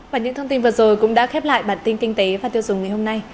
và những thông tin vừa rồi cũng đã khép lại bản tin kinh tế và tiêu dùng ngày hôm nay